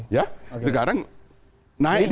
ya sekarang naik ya